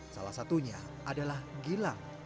salah satunya adalah gilang